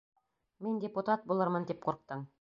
Мин депутат булырмын тип ҡурҡтың!